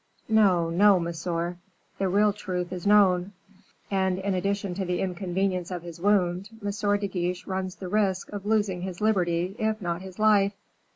No, no, monsieur; the real truth is known, and, in addition to the inconvenience of his wound, M. de Guiche runs the risk of losing his liberty if not his life."